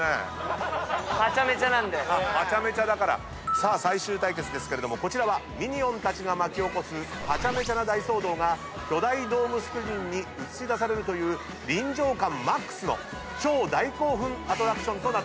さあ最終対決ですけれどもこちらはミニオンたちが巻き起こすハチャメチャな大騒動が巨大ドームスクリーンに映し出されるという臨場感マックスの超大興奮アトラクションとなってます。